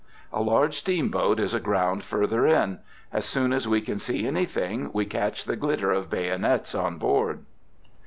A large steamboat is aground farther in. As soon as we can see anything, we catch the glitter of bayonets on board.